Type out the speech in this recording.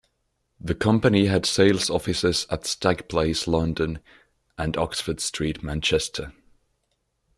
The company had sales offices at Stag Place, London and Oxford Street, Manchester.